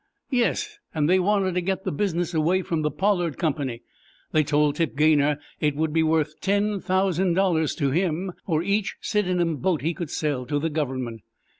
"Yes; and they wanted to get the business away from the Pollard Company. They told Tip Gaynor it would be worth ten thousand dollars to him for each Sidenham boat he could sell to the Government.